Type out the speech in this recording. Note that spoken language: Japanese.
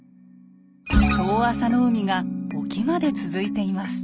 遠浅の海が沖まで続いています。